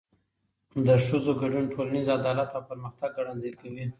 د ښځو ګډون ټولنیز عدالت او پرمختګ ګړندی کوي.